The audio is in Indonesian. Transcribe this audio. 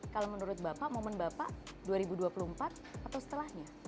kalau menurut bapak momen bapak dua ribu dua puluh empat atau setelahnya